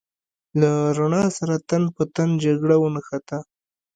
له رڼا سره تن په تن جګړه ونښته.